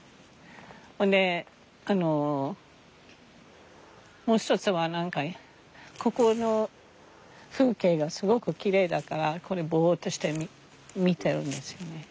ほんであのもう一つは何かここの風景がすごくきれいだからこれぼっとして見てるんですよね。